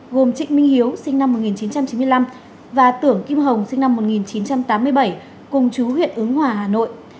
gồm trịnh minh hiếu sinh năm một nghìn chín trăm chín mươi năm và tưởng kim hồng sinh năm một nghìn chín trăm tám mươi bảy cùng chú huyện ứng hòa hà nội